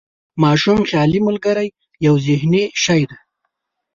د ماشوم خیالي ملګری یو ذهني شی دی.